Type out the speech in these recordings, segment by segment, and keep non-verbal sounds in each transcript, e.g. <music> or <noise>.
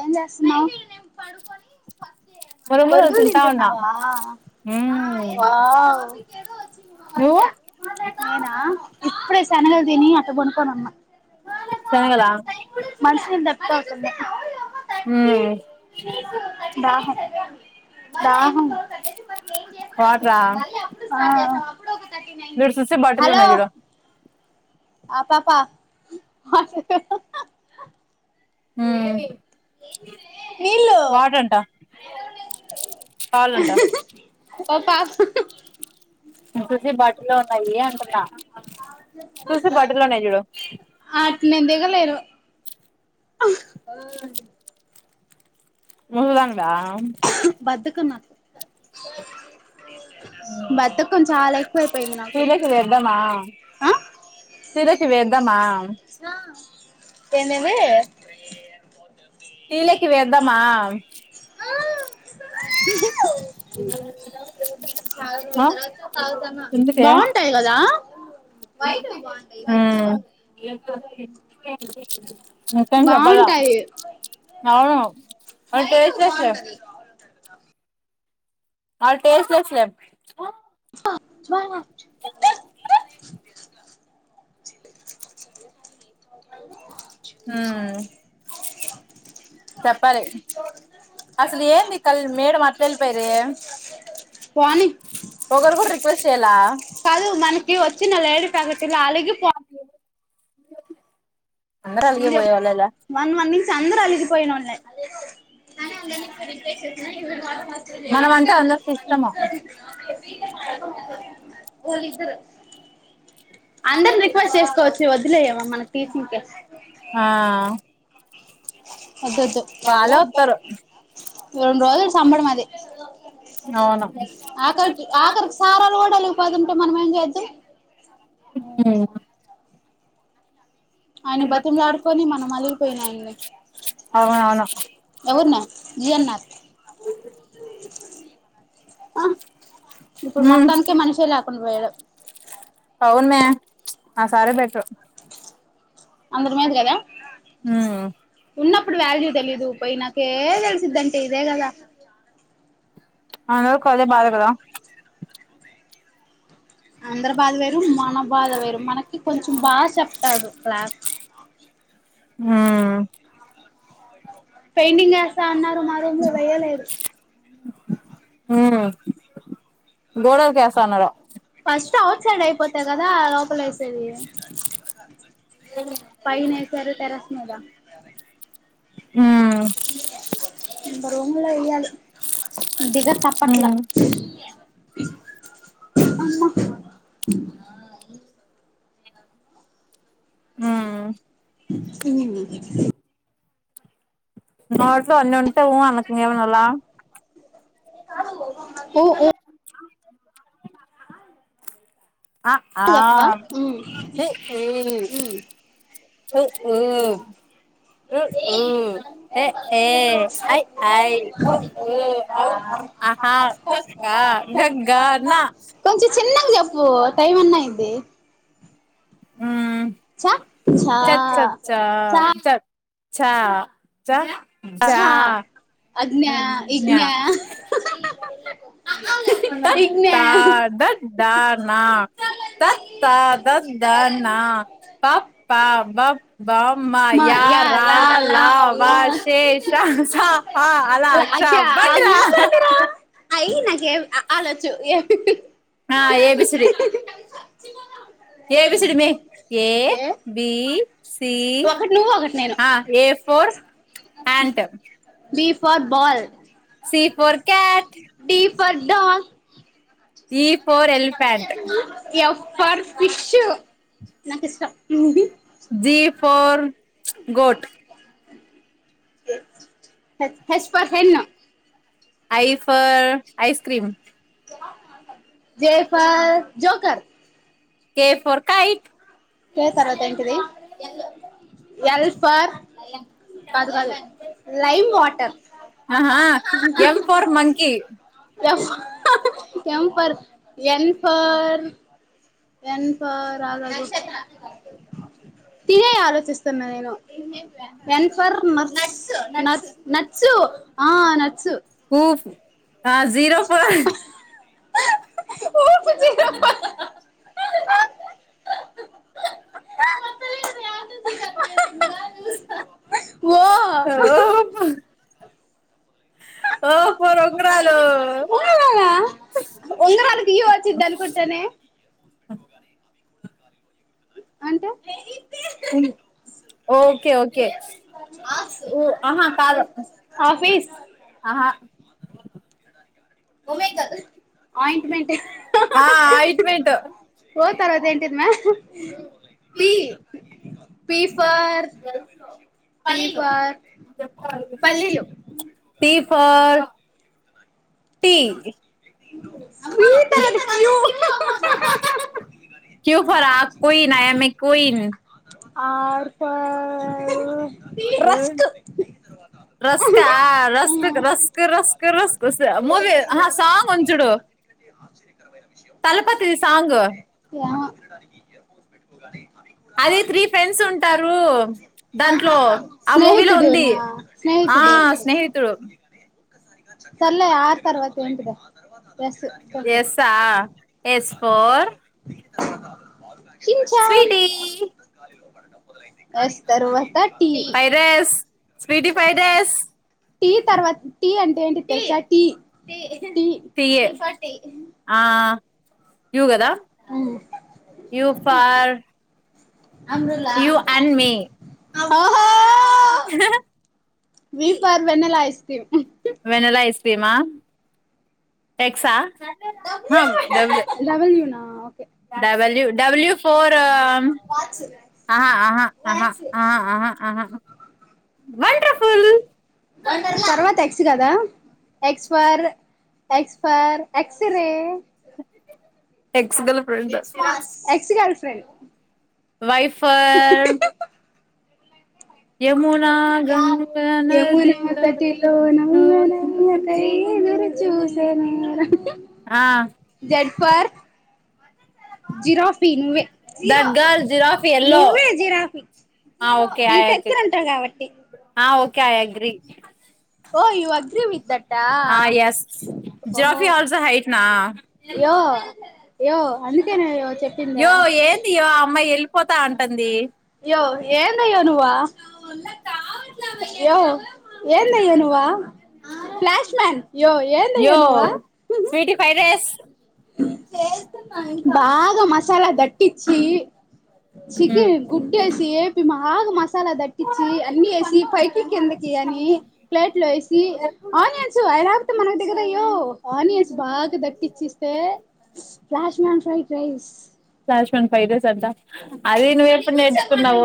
ఏం చేస్తనావ్ మురుములు బొరుగులు తింటా ఉన్నా తింటున్నావా మ్మ్ వావ్ నువ్వు నేనా ఇప్పుడే శనగలు తిని అట పడుక్ శనగలా మంచినీళ్లు దప్పికవుతున్నాయ్ మ్మ్ దాహమ్ దాహమ్ వాటరా ఈడ చూస్తే బట్టలు హలో ఉన్నాయి చూడు ఆ పాపా హుమ్ నీళ్ళు వాటర్ అంటా పాల్లుంట ఓ పాప <unintelligible> బటిలో ఉన్నాయి అంటన్నా తీసి బటలోనే చూడు అట్ నేను దిగలేను నువ్వుల వుంట్లా బద్దకం నాకు బద్దకం చాలా ఎక్కువైపోయిన్ది నాకు టీలోకి వేద్దామా ఆ టీలోకి వేద్దామా ఏందేంది తీలకి వేద్దామా ఆ ఎందుకే బాగుంటాయ్ కదా బైటయ్ బాగుంటాయి మ్మ్ ఇంకేం చెప్పాలా బాగుంటాయి అవును అది టేస్ట్ లెస్ వాళ్ళు టేస్ట్ లెస్ లే ఊమ్ <unintelligible> అసలు ఏంది కల్ మేడం అట్ల వెళ్ళిపోయిర్రే పోనీ ఉహ్ ఒకరు కూడా రిక్వెస్ట్ చేయ్యలా కాదు మనకి వచ్చిన లేడి పగటిల్ అలిగి పో <unintelligible> అలిగే నున్ జెప్ పోయేవాళ్ళేలే అ అ <unintelligible> <unintelligible> మనం అంటే అందరికి ఇష్టము పోలి ఇద్దరు అందర్ని రిక్వెస్ట్ చేసుకోవచ్చు వదిలేయవ మన టీచింకి ఆ వాదోద్దు వాళ్ళే వత్తరు రెండు రోజుల సంబడం అది అవును ఆఖరికి ఆఖరికి సారోలు కూడా అలిగిపోతుంటే మనం ఏం చేదు ఉమ్ అవునేమో ఆయన బతిమలాడుకొని మనం అలిగిపోయినాయన్నీ అవునవును ఎవర్నె జి ఎ న్నా అ ఇప్పుడు హ్మ్ మొత్తానికే మనిషే లేకుండా పోయడు అవును మే ఆ సారే బెటరు అందరి మీద గదా హ్మ్ ఉన్నప్పుడు వాల్యూ తెలీదు పోయి నాకే తెలిసిందంటే ఇదే గదా అందరికి అదే బాధ కదా అందరి బాధ వేరు మన బాధ వేరు మనకి కొంచం బా చెప్తాడు క్లాస్ ఆ పెయింటింగ్ ఏస్తా అన్నారు మారూంలో వేయలేదు గోడల్ కి ఎస్తన్నరు ఫస్ట్ ఔట్ సైడ్ అయిపోతె గదా లోపల ఏసేది పైనే ఏసారు టెరస్ మీద హ్మ్ ఇంక రూమ్ లో వేయకి దిగ తప్పట్లా హ్మ్ అమ్మ హ్మ్ హ్మ్ నోట్లో అన్ని ఉంటా ఊ అనక ఇంక ఏమనలా ఉ ఉ అ ఆ చెప్పవా ఇ ఈ ఉ ఊ ఉ ఊ ఎ ఏ ఐ ఐ ఒ ఓ ఔ ఆహా క ఖ గ ఘ నా చిన్నగ చెప్పు టైమ్ అన్న అయిది హ్మ్ ఛ చ చ చ చ చ ఛ చా అజ్ఞ న్య ఇజ్ఞ త ఇజ్ఞ థ ద ధ న త థ ద ద్ ధనా ప ఫ బ భ మ యా య రా ల ల లా వ వాష్ శ స ఆ హ ళ ల క్ష ఱ అయ్ నాకి అ ఆ లోచు ఏం ఆ A B C D A B C D అమ్మి ఏ బి సి ఒకటి నువ్వు ఒకటి నేను ఆ A for ant B for ball C for cat D for dog E for elephant F for fish G for goat H for hen I for ice cream J for joker K for kite K తర్వాత ఏంటిది ఎ for కాదు కాదు lime water ఆహా M for monkey F M for N for N for నక్షత్ర T ఏ ఆలోచిస్తున్నా నేను when నచ్చ ఆ నచ్చ కోఫ్ ఆ జీరో ప ఓ ఓ ఓ ఫ ఉంగరాలు ఉంగరాలా ఉంగరాలు తీయవచ్చింది అనుకుంటనే <inaudible> <inaudible> ఓకే ఓకే ఆహా కాదు ఆఫీస్ ఆహా మూవీ కాదు ఆయింట్మెంట్ ఎ ఆ ఆయింట్మెంట్ పోఓ తర్వాత ఎంటిది మా్యా P P for P for పల్లీలు పిఫర్ పింక్ పి తరువాత యు క్యూ ఫరా కోయినా ఆయా మ కోయి R for rusk rusk rusk rusk rusk rusk movie song ఉంచుడు తలపతి సాంగ్ వినడానికి ఎయిర్ ఫోన్స్ పెట్టుకోగనీ అ అది త్రీ ఫ్రెండ్స్ ఉంటారు ఫె దాంట్లో ఉంట ఆ మూవీలో ఉంది స్నేహితుడునా ఆ స్నేహితుడు చల్ల ఆరు తర్వాత ఉంటద <inaudible> ఎస్ ఆ ఎస్ ఫోర్ చింగ్ చాంగ్ స్వీటీ ఎస్ తర్వాత T fried minus rice Sweety fried rice T తర్వాత టీ అంటే ఏంటి టీ టి తీయే ఫర్ టి టి టి ఆ యు కదా ఉమ్ U for umbrella you you are and me ఓహో V for vanilla ice cream vanilla ice క్రీమా టెక్సా W నా okay W W ఫోరం ఆహా ఆహా ఆహా ఆహా ఆహా వండర్ఫుల్ తర్వాత ఎక్స్ కదా X for X for X ray X girl friend X girl friend వైఫర్ Ganga Yamuna నదిలో తటిలో నమ్నయ కై గురి చూసేనుర ఆ జిరాఫీ నువ్వే, దట్ గర్ల్ జిరాఫ్ ఎల్లో నువ్వే జిరాఫీ. ఆ ఓకే ఐ నీకు అగ్రీ ఎతురుంటారు కాబట్టి ఆ okay I agree oh you agree with that ఆ జిరాఫీ ఆల్సో హైట్ నా యో యో అందుకే నో చెప్పింది. యో ఏంది అమ్మాయి వెళ్ళిపోతా అంటంది. ఏందయ్యోనువా యో ఏందయ్యో నువా ఫ్లాష్ మ్యాన్ య్యో ఏన్ంతయ్యో యో నువ్ స్వీటీ ఫ్రైడ్ రైస్ బాగా మసాలా దట్టించి చికెన్ గుడ్డి వేసి ఏపి బాగా మసాలా దట్టించి అన్ని వేసి పైకి కిందకి <inaudible> ప్లేట్లు వేసి ఆనియన్స్ అ లేకపోతే మనకు దిగదు అయ్యో ఆనియన్స్ బాగా దట్టిచి స్తే flash man fried rice flash man fried rice అంతా అది నువ్వు ఎప్పుడు నేర్చుకున్నావో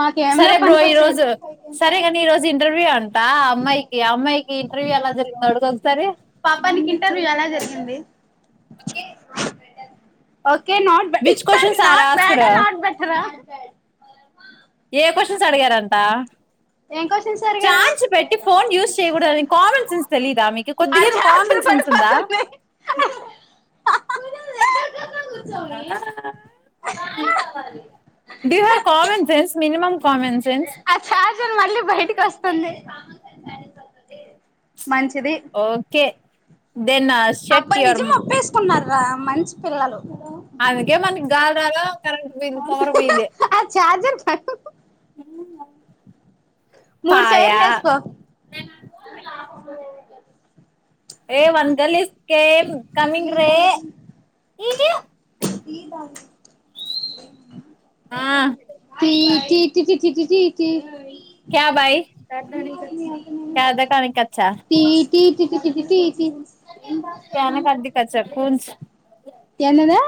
మాకేమో సరే బ్రో ఈ పనికొచ్చేది రోజు సరే కాని ఈ రోజు ఇంటర్వ్యూ అంటా అమ్మాయికి అమ్మాయికి ఇంటర్వ్యూ ఎలా జరిగిందో అడుగు ఒకసారి నీకు ఇంటర్వ్యూ ఎలా జరిగింది. Okay okay not questions are bad asked ఆ నట్ బెటరా ఏ క్వశ్చన్స్ అడిగారంట. ఏం క్వశ్చన్స్ అడిగారు ఛార్జ్ పెట్టి ఫోన్ యూస్ చేయకూడదు అని కామెన్ సెన్స్ తెలియదా మీకు ఆడ కొద్దిగా ఛార్జర్ కామెన్ సెన్స్ ఉందా హహ do you have common sense. Minimum common sense ఆ చార్జర్ మళ్ళీ బయటికి వస్తుంది. మంచిది. ఓకే దెన్ అబ్బ షట్ యువర్ నిజం ఒప్పేసుకున్నారు రా మంచి పిల్లలు. అందుకే మనకి గాలి రాల కరెంట్ పోయింది. పవర్ పోయింది. హహ మూడు పాయా చైర్లెస్కో a girl is came coming రే ఆ T T tea T T tea tea tea tea కనాకది కచ్చ <unintelligible> ఎన్నదా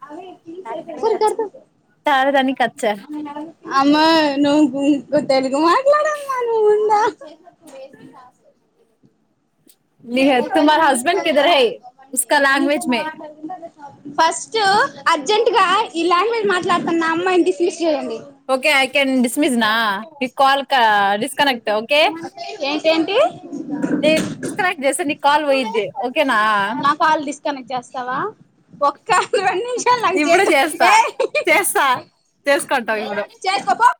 <unintelligible> అమ్మా నువ్వు ఇంక తెలుగు మాట్లాడమ్మా నువ్వు ముందా <inaudible> ఫస్ట్ అర్జెంట్ గా ఈ లాంగ్వేజ్ మాట్లాడుతున్న అమ్మాయిని డిస్మిస్ చేయండి. ఓకే ఐ కెన్ డిస్మిస్ నా నీ కాల్ ఏంటి ఏంటి చేస్తా నీ కాల్ పోయిద్ది ఓకేనా స్తవా ఒక్క రెండు నిమిషాలు ఆగు ఇప్పుడు చేత చేస్తా చేస్తా చేసుకుంటాం ఇప్పుడు చేసుకో పో